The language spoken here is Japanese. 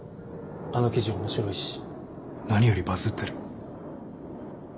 あの記事面白いし何よりバズってる。